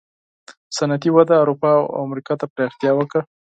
صنعتي وده اروپا او امریکا ته پراختیا وکړه.